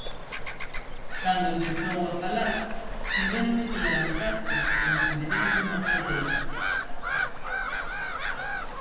Cando empezou a falar tívenme que levantar porque o considerei unha falta de respecto.